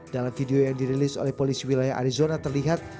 dalam video yang dirilis oleh polisi wilayah arizona terlihat